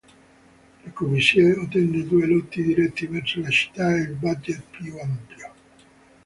Le Corbusier ottenne due lotti diretti verso la città e il budget più ampio.